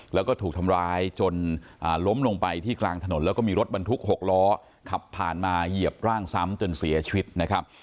แล้วก็ถูกทำร้ายจนล้มลงไปที่กลางถนนแล้วก็มีรถบรรทุก๖ล้อขับผ่านมาเหยียบร่างซ้ำจนเสียชีวิตนะครับ